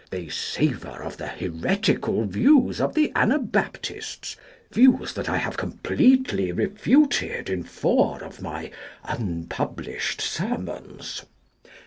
They savour of the heretical views of the Anabaptists, views that I have completely refuted in four of my unpublished sermons.